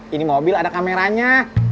ini mobil ada kameranya